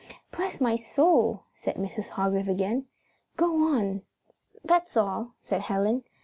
"Bless my soul!" said Mrs. Hargrave again. "Go on!" "That's all," said Helen.